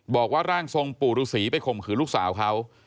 บอกว่าร่างทรงปู่ฤษีไปข่มขืนลูกสาวเขา